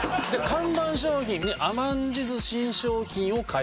看板商品に甘んじず新商品を開発。